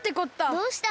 どうしたの？